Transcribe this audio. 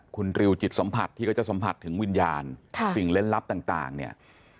คุณริวจิตสัมผัสที่ก็จะสัมผัสถึงวิญญาณสิ่งเล่นลับต่างเนี่ย